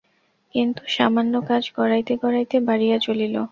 কিন্তু সামান্য কাজ গড়াইতে গড়াইতে বাড়িয়া চলিল।